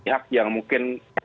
ya yang mungkin